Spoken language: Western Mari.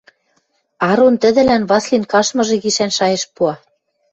Арон тӹдӹлӓн Васлин каштмыжы гишӓн шайышт пуа.